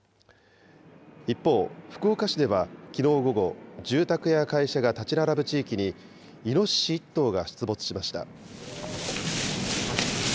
一方、福岡市ではきのう午後、住宅や会社が建ち並ぶ地域にイノシシ１頭が出没しました。